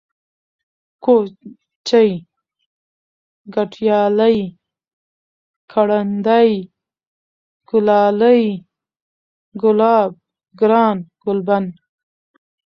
كوچى ، گټيالی ، گړندی ، گلالی ، گلاب ، گران ، گلبڼ